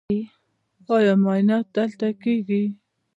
ایا معاینات دلته کیږي؟